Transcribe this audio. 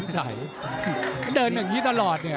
มันเดินอย่างนี้ตลอด